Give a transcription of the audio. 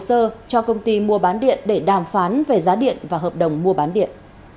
hồ sơ cho công ty mua bán điện để đàm phán về giá điện và hợp đồng mua bán điện